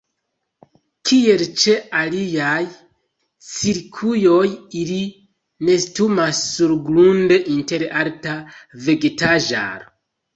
Kiel ĉe aliaj cirkuoj ili nestumas surgrunde inter alta vegetaĵaro.